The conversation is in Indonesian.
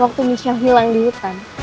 waktu michelle hilang di hutan